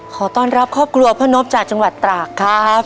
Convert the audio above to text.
ขอต้อนรับครอบครัวพ่อนพจากจังหวัดตรากครับ